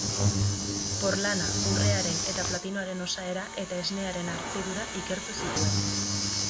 Porlana, urrearen eta platinoaren osaera eta esnearen hartzidura ikertu zituen.